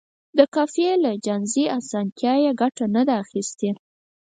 د قافیې له جائزې اسانتیا یې ګټه نه ده اخیستې.